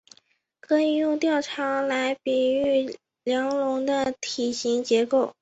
可以用吊桥来比喻梁龙的体型结构。